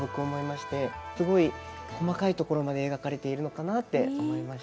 すごい細かい所まで描かれているのかなって思いました。